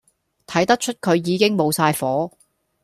睇得出佢已經無晒火